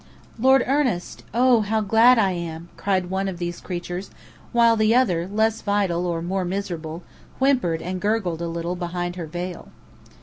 "Lord Ernest! Oh, how glad I am!" cried one of these creatures, while the other, less vital or more miserable, whimpered and gurgled a little behind her veil.